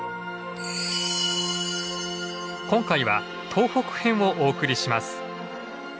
今回は東北編をお送りします。